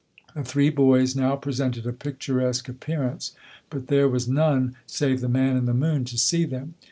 The three boys now presented a picturesque appearance, but there was none save the man in the moon to see them.